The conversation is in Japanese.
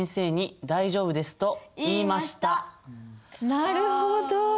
なるほど。